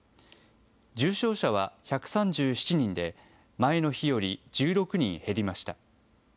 重症者は１３７人で、前の日より１６人減りました。